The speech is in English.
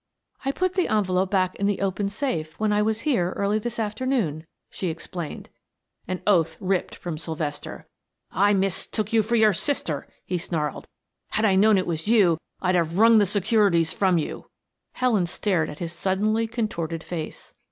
"I put the envelope back in the open safe when I was here early this afternoon," she explained. An oath ripped from Sylvester. "I mistook you for your sister," he snarled. "Had I known it was you, I'd have wrung the securities from you." Helen stared at his suddenly contorted face.